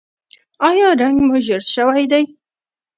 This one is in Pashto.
ایا رنګ مو ژیړ شوی دی؟